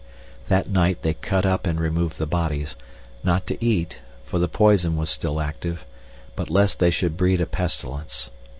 That night they cut up and removed the bodies, not to eat for the poison was still active but lest they should breed a pestilence.